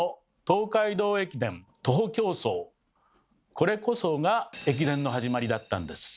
これこそが駅伝の始まりだったんです。